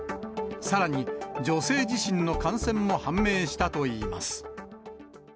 さらに女性自身の感染も判明したといいます。